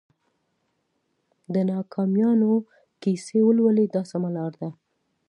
د ناکامیونو کیسې ولولئ دا سمه لار ده.